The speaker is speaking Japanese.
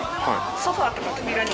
ソファとか扉に。